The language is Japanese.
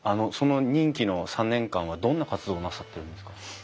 その任期の３年間はどんな活動をなさっているんですか？